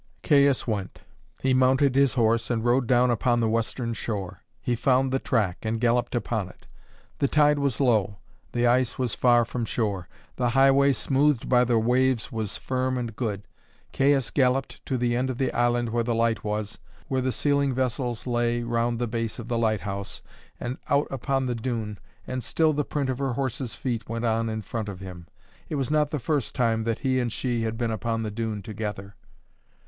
Caius went. He mounted his horse and rode down upon the western shore. He found the track, and galloped upon it. The tide was low; the ice was far from shore; the highway, smoothed by the waves, was firm and good. Caius galloped to the end of the island where the light was, where the sealing vessels lay round the base of the lighthouse, and out upon the dune, and still the print of her horse's feet went on in front of him. It was not the first time that he and she had been upon the dune together.